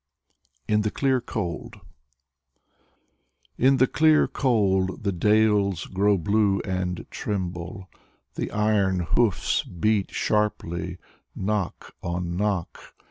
Sergei Yesenin 167 " IN THE CLEAR COLD " In the clear cold the dales grow blue and tremble; The iron hoofs beat sharply, knock on knock.